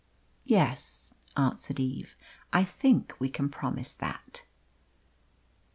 "Yes," answered Eve, "I think we can promise that."